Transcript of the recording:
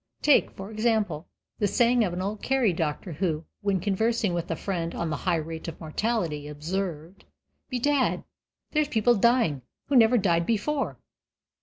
Take, for example, the saying of an old Kerry doctor who, when conversing with a friend on the high rate of mortality, observed, "Bedad, there's people dyin' who never died before."